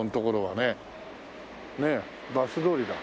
ねえバス通りだ。